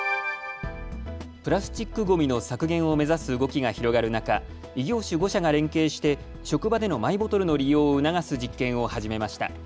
プラスチックごみの削減を目指す動きが広がる中、異業種５社が連携して職場でのマイボトルの利用を促す実験を始めました。